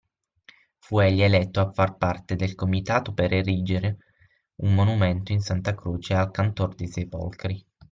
Fu egli eletto a far parte del Comitato per erigere un monumento in Santa Croce al Cantor dei Sepolcri.